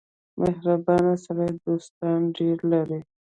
• مهربان سړی دوستان ډېر لري.